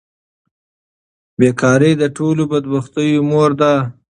بیکاري د ټولو بدبختیو مور ده.